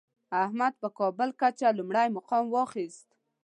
احمد په کابل کچه لومړی مقام واخیست.